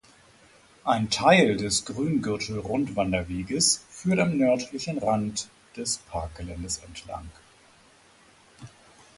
Ein Teil des Grüngürtel-Rundwanderweges führt am nördlichen Rand des Parkgeländes entlang.